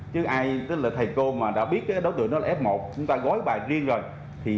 chứ ai tức là thầy cô mà đã biết đối tượng đó là f một chúng ta gói bài riêng rồi